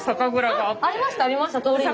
あっありましたありました通りに。